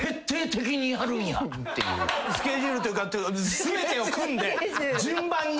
スケジュールっていうか全てを組んで順番に。